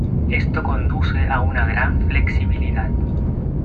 Esto conduce a una gran flexibilidad.